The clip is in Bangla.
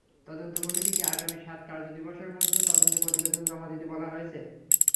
তদন্ত কমিটিকে আগামী সাত কার্যদিবসের মধ্যে তদন্ত প্রতিবেদন জমা দিতে বলা হয়েছে।